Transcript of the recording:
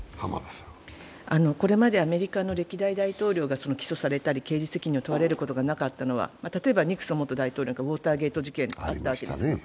これまでアメリカの歴代大統領が起訴されたり、刑事責任を問われることがなかったのは、例えばニクソン大統領のウォーターゲート事件があったわけです。